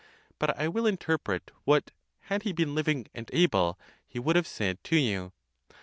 But I will interpret what, had he been living and able, he would have said+ to you.